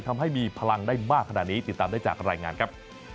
ทำให้มีพลังได้มากขนาดนี้ติดตามได้จากรายงานครับ